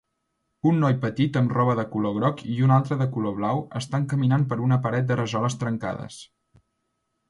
Un noi petit amb roba de color groc i un altre de color blau estan caminant per una paret de rajoles trencades.